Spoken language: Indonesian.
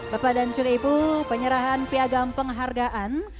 bapak dan juga ibu penyerahan piagam penghargaan